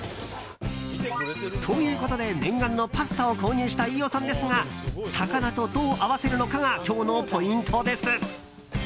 ということで、念願のパスタを購入した飯尾さんですが魚とどう合わせるのかが今日のポイントです。